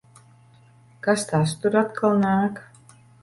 Kas tas tur atkal nāk?